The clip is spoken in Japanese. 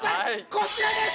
こちらです！